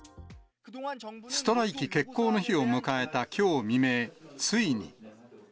ストライキ決行の日を迎えたきょう未明、ついに。